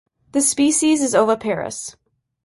The species is oviparous.